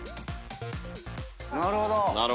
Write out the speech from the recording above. なるほど。